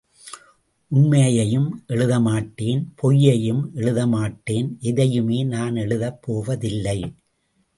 உண்மையையும் எழுத மாட்டேன் பொய்யையும் எழுத மாட்டேன் எதையுமே நான் எழுதப் போவதில்லை.